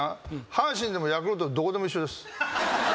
阪神でもヤクルトどこでも一緒です。